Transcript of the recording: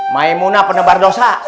maimunah penebar dosa